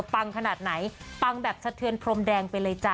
ขนาดไหนปังแบบสะเทือนพรมแดงไปเลยจ้ะ